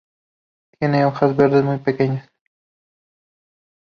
Tiene hojas verdes muy pequeñas.